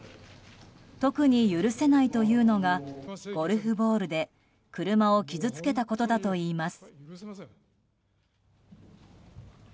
特に許せないというのがゴルフボールで車を傷つけたことだといいます。